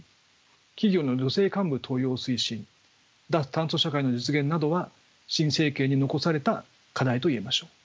企業の女性幹部登用推進脱炭素社会の実現などは新政権に残された課題といえましょう。